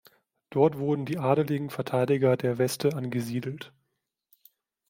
Dort wurden die adligen Verteidiger der Veste angesiedelt.